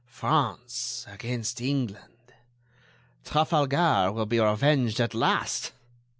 France against England.... Trafalgar will be revenged at last....